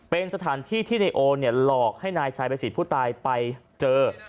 เป็นสถานที่ที่นายโอเนี่ยหลอกให้นายชายประสิทธิ์ผู้ตายไปเจอ